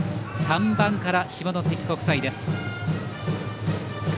３番から、下関国際です。